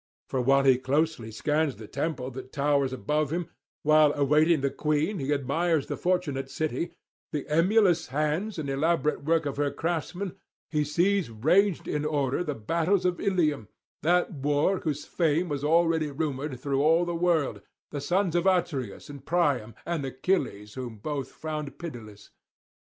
For while he closely scans the temple that towers above him, while, awaiting the queen, he admires the fortunate city, the emulous hands and elaborate work of her craftsmen, he sees ranged in order the [457 491]battles of Ilium, that war whose fame was already rumoured through all the world, the sons of Atreus and Priam, and Achilles whom both found pitiless.